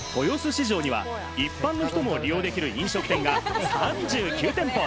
市場には一般の人も利用できる飲食店が３９店舗。